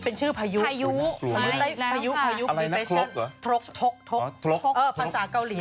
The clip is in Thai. นี่เบี้ยวน้องที่๔โห